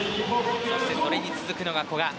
そしてそれに続くのが古賀。